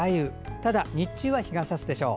ただ、日中は日が差すでしょう。